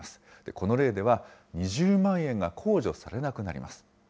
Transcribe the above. この例では、２０万円が控除されなくなります。